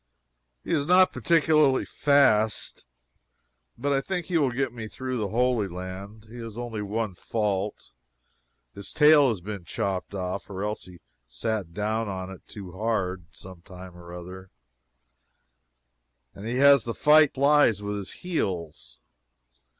He is not particularly fast, but I think he will get me through the Holy Land. He has only one fault. His tail has been chopped off or else he has sat down on it too hard, some time or other, and he has to fight the flies with his heels.